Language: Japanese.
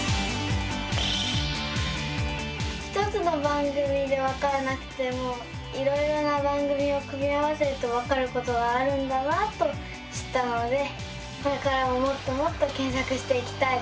１つの番組でわからなくてもいろいろな番組を組み合わせるとわかることがあるんだなと知ったのでこれからももっともっと検索していきたいです。